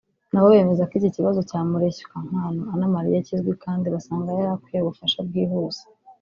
na bo bemeza ko iki kibazo cya Mureshyankwano Anamariya kizwi kandi basanga yari akwiye ubufasha bwihuse